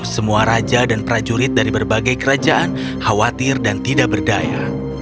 semua raja dan prajurit dari berbagai kerajaan khawatir dan tidak berdaya